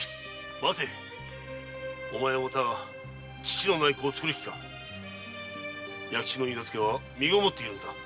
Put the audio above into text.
待てお前はまた父のない子をつくる気か弥吉の許婚は身ごもっているのだ。